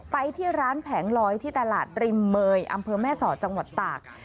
ไปที่ร้านแผงลอยที่ตลาดริมเมย์อำเภอแม่สอดจังหวัดตาก